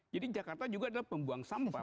jadi jakarta juga adalah pembuang sampah